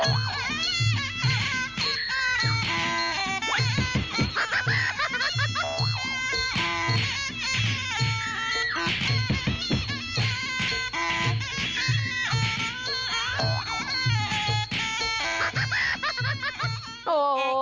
โอ้โห